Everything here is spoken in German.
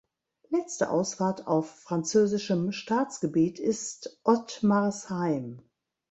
Letzte Ausfahrt auf französischem Staatsgebiet ist Ottmarsheim.